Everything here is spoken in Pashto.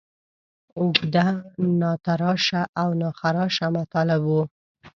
اوږده، ناتراشه او ناخراشه مطالب وو.